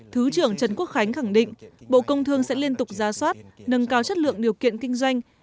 thứ trưởng trần quốc khánh khẳng định bộ công thương sẽ liên tục giá soát nâng cao chất lượng điều kiện kinh doanh